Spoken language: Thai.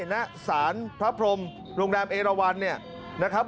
น๊ะสานพระพรมโรงแรมเอรวรรมเนี่ย